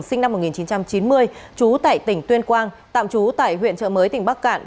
sinh năm một nghìn chín trăm chín mươi trú tại tỉnh tuyên quang tạm trú tại huyện trợ mới tỉnh bắc cạn